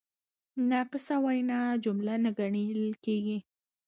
ناقصه وینا جمله نه ګڼل کیږي.